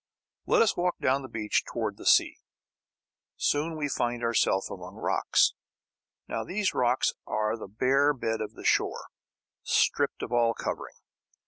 Let us walk down the beach towards the sea. Soon we find ourselves among rocks. Now these rocks are the bare bed of the shore, stripped of all covering.